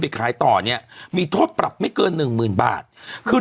เป็นการกระตุ้นการไหลเวียนของเลือด